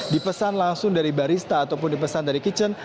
dipesan langsung dari barista ataupun dipesan dari kitchen